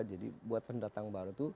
jadi buat pendatang baru itu